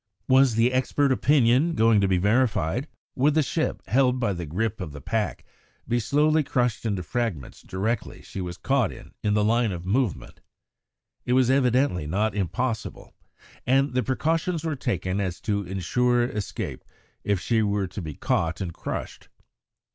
Was the expert opinion going to be verified? Would the ship, held by the grip of the pack, be slowly crushed into fragments directly she was caught in the line of movement? It was evidently not impossible, and precautions were taken so as to insure escape if she were to be caught and crushed.